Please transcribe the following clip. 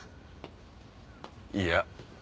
いや。